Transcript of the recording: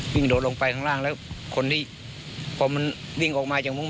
โดดลงไปข้างล่างแล้วคนที่พอมันวิ่งออกมาจากมุ้ง